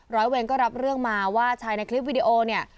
ร้อยเวรก็รับเรื่องมาว่าชายในคลิปวิดีโอเนี่ย